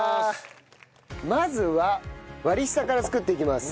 まずは割り下から作っていきます。